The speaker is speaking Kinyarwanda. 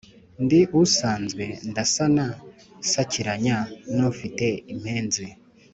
ndi usanzwe ndasana nsakiranya, n'ufite impenzi,